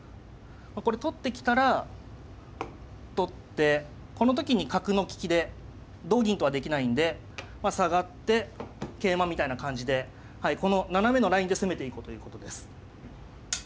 これ取ってきたら取ってこの時に角の利きで同銀とはできないんで下がって桂馬みたいな感じでこの斜めのラインで攻めていこうということです。